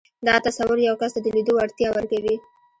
دا تصور يو کس ته د ليدلو وړتيا ورکوي.